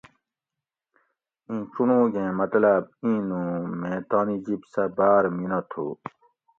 اِیں چُنڑوگ ایں مطلاۤب اِیں نُوں میں تانی جِب سہۤ باۤر مینہ تھُو